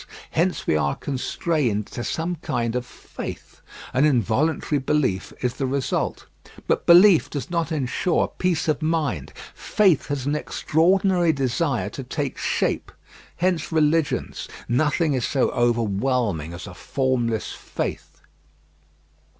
Hence we are constrained to some kind of faith. An involuntary belief is the result. But belief does not ensure peace of mind. Faith has an extraordinary desire to take shape. Hence religions. Nothing is so overwhelming as a formless faith.